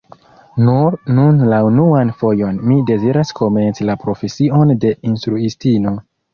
Nur nun la unuan fojon mi deziras komenci la profesion de instruistino.